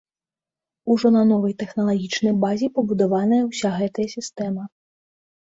Ужо на новай тэхналагічнай базе пабудаваная ўся гэтая сістэма.